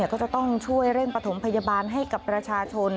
ก็จะต้องช่วยเร่งปฐมพยาบาลให้กับประชาชน